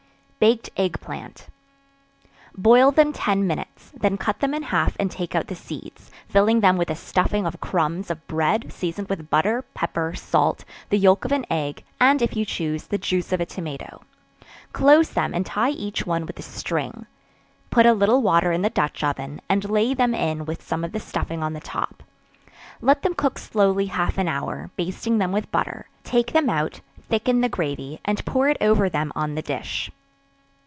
Baked Egg Plant. Boil them ten minutes; then cut them in half and take out the seeds, fill them with a stuffing of crumbs of bread, seasoned with butter, pepper, salt, the yelk of an egg, and if you choose, the juice of a tomato; close them and tie each one with a string; put a little water in the dutch oven, and lay them in with some of the stuffing on the top; let them cook slowly half an hour, basting them with butter; take them out, thicken the gravy, and pour it over them on the dish.